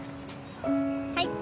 はい。